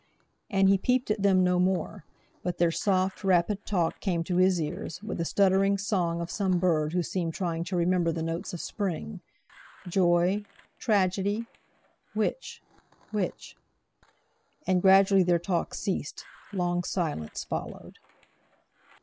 And he peeped at them no more; but their soft, rapid talk came to his ears, with the stuttering song of some bird who seemed trying to remember the notes of spring: Joy—tragedy? Which—which? And gradually their talk ceased; long silence followed.